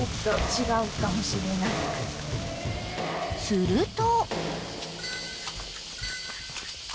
［すると］